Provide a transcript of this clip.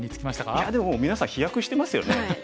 いやでもみなさん飛躍してますよね。